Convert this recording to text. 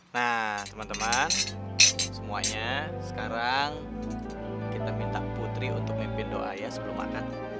nah teman teman semuanya sekarang kita minta putri untuk mimpin doa ya sebelum makan